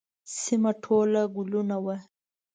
سیمه ټول ګلونه وه.